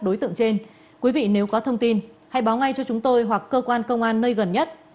mọi thông tin cá nhân của chúng tôi hãy báo ngay cho chúng tôi hoặc cơ quan công an nơi gần nhất